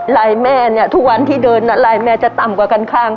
ไหล่แม่เนี่ยทุกวันที่เดินอะไรแม่จะต่ำกว่ากันข้าง